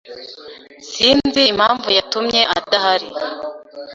Sinzi impamvu yatumye adahari.